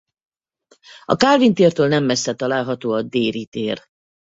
A Kálvin tértől nem messze található a Déri tér.